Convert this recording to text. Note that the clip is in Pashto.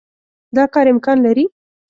دا کار امکان لري.